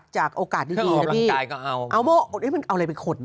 จากโอกาสดีนะพี่เอาอะไรไปขน